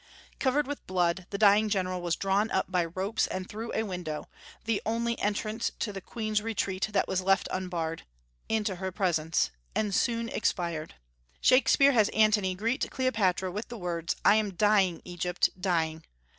Covered with blood, the dying general was drawn up by ropes and through a window the only entrance to the queen's retreat that was left unbarred into her presence, and soon expired. Shakspeare has Antony greet Cleopatra with the words, "I am dying, Egypt, dying!"